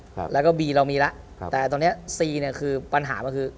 ครับแล้วก็บีเรามีแล้วครับแต่ตอนเนี้ยซีเนี้ยคือปัญหามันคือ